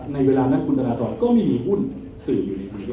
ในเวลานั้นคุณตนาทรก็ไม่มีวุ่นสื่ออยู่ในวิทยาลัย